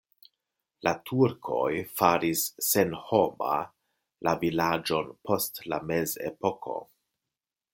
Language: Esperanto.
La turkoj faris senhoma la vilaĝon post la mezepoko.